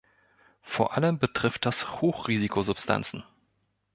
Vor allem betrifft das Hochrisikosubstanzen.